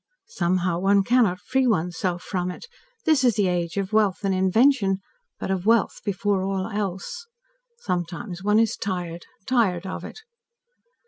"Somehow one cannot free one's self from it. This is the age of wealth and invention but of wealth before all else. Sometimes one is tired tired of it."